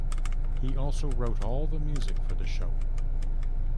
He also wrote all the music for the show.